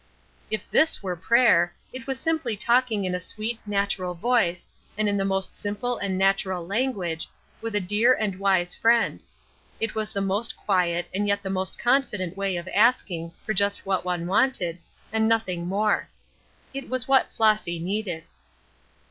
If this were prayer, it was simply talking in a sweet, natural voice, and in the most simple and natural language, with a dear and wise friend. It was the most quiet and yet the most confident way of asking for just what one wanted, and nothing more. It was what Flossy needed.